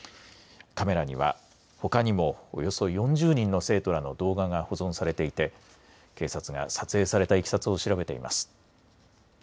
カメラにはほかにもおよそ４０人の生徒らの動画が保存されていて警察が撮影されたいきさつを調べています。